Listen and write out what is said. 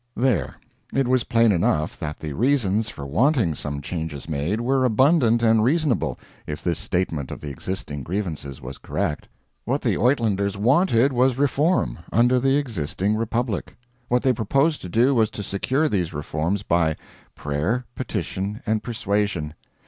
There it was plain enough that the reasons for wanting some changes made were abundant and reasonable, if this statement of the existing grievances was correct. What the Uitlanders wanted was reform under the existing Republic. What they proposed to do was to secure these reforms by, prayer, petition, and persuasion.